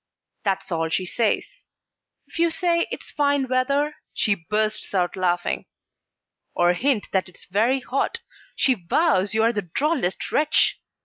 That's all she says. If you say it's fine weather, she bursts out laughing; or hint that it's very hot, she vows you are the drollest wretch!